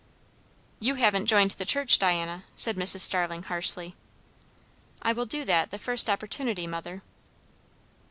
"You haven't joined the church, Diana," said Mrs. Starling harshly. "I will do that the first opportunity, mother."